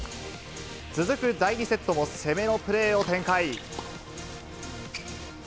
続く第２セットも攻めのプレーを展開。